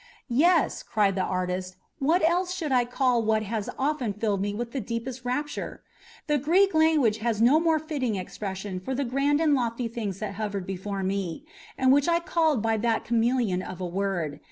"Yes," cried the artist, "what else should I call what has so often filled me with the deepest rapture? The Greek language has no more fitting expression for the grand and lofty things that hovered before me, and which I called by that chameleon of a word.